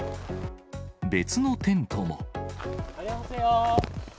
別のテントも。